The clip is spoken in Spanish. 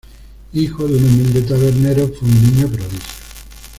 Hijo de un humilde tabernero, fue un niño prodigio.